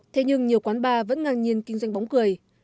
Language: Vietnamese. thế nhưng nhiều quán bar vẫn ngang nhiên kinh doanh bóng cười